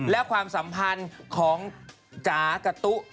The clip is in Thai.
และความสัมพันธ์ของจ๋ากับตุ๊